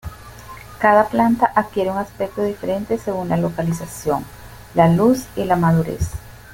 Cada planta adquiere un aspecto diferente según la localización, la luz y la madurez.